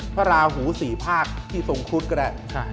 ภรราหูศรีภาคที่ทรงคุศก็ได้